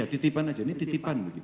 ya titipan saja ini titipan